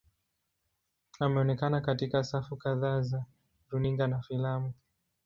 Ameonekana katika safu kadhaa za runinga na filamu.